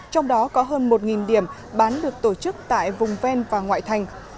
trong đó có hơn một điểm bán được tổ chức tại vùng ven và ngoại thành